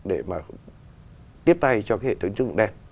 để mà tiếp tay cho cái hệ thống tín dụng đen